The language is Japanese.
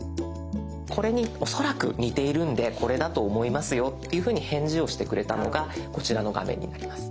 これに恐らく似ているんでこれだと思いますよっていうふうに返事をしてくれたのがこちらの画面になります。